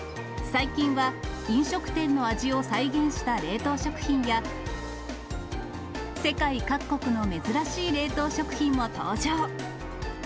最近は飲食店の味を再現した冷凍食品や、世界各国の珍しい冷凍食品も登場。